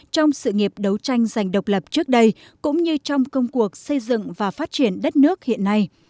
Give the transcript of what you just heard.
trong sự nghiệp đấu tranh giành độc lập trước đây cũng như trong công cuộc xây dựng và phát triển đất nước hiện nay